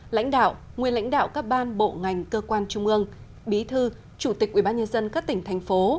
lãnh đạo nguyên lãnh đạo các ban bộ ngành cơ quan trung ương bí thư chủ tịch quy bán nhân dân các tỉnh thành phố